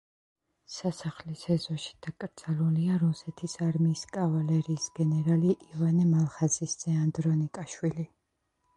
სასახლის ეზოში დაკრძალულია რუსეთის არმიის კავალერიის გენერალი ივანე მალხაზის ძე ანდრონიკაშვილი.